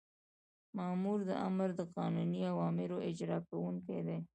مامور د آمر د قانوني اوامرو اجرا کوونکی دی.